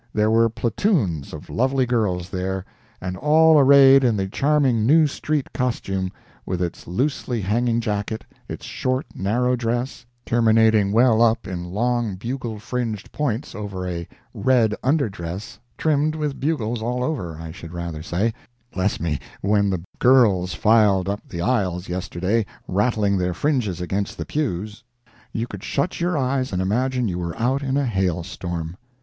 There were platoons of lovely girls there—and all arrayed in the charming new street costume, with its loosely hanging jacket, its short, narrow dress, terminating well up in long bugle fringed points over a red under dress—trimmed with bugles all over, I should rather say—bless me, when the girls filed up the aisles yesterday, rattling their fringes against the pews, you could shut your eyes and imagine you were out in a hail storm.